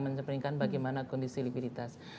menceprinkan bagaimana kondisi likuiditas